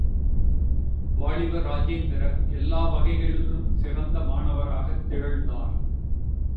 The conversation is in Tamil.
வாலிபர் ராஜேந்திரர் எல்லா வகைகளிலும் சிறந்த மாணவராகத் திகழ்ந்தார்.